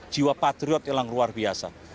jiwa patriot yang luar biasa